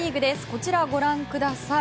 こちら、ご覧ください。